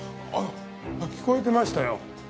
聞こえてましたよ。